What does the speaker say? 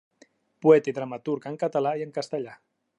Poeta i dramaturg en català i en castellà.